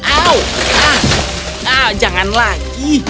au ah jangan lagi